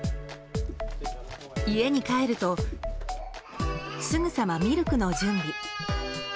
家に帰るとすぐさまミルクの準備。